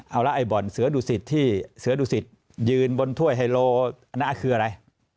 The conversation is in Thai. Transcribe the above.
เอาละไอบ่อนเสือดุศิษย์ที่เสือดุศิษย์ยืนบนถ้วยไฮโลน่าคืออะไร